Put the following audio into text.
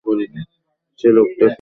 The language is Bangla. সে লোকটা কে।